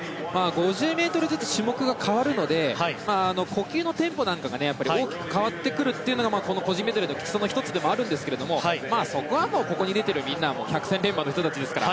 ５０ｍずつ種目が変わるので呼吸のテンポが大きく変わってくるのがこの個人メドレーのきつさの１つなんですがそこはここに出ているみんなは百戦錬磨の選手ですから。